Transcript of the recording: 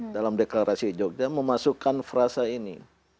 dalam deklarasi jogja memasukkan frasa ini